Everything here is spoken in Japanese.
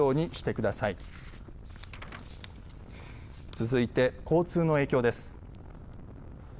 続いて交通の影響です。